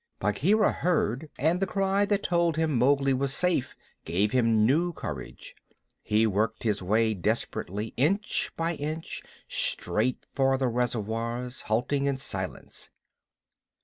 Bagheera heard, and the cry that told him Mowgli was safe gave him new courage. He worked his way desperately, inch by inch, straight for the reservoirs, halting in silence.